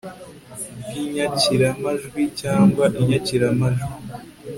bw inyakiramajwi cyangwa inyakiramajwi